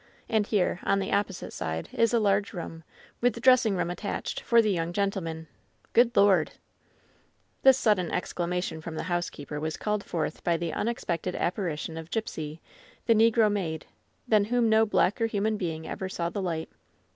And here, on the oppo site side, is a large room, with dressing room attadied, for the young gentlemen — Good Lord I !" This sudden exclamation from the housekeeper was called forth by the unexpected apparition of Gipsy, the negro maid, than whom no blacker human being ever saw the light.